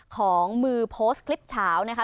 ของมือโพสต์คลิปเฉานะคะ